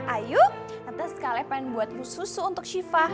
ayo tante sekali pengen buat susu untuk siva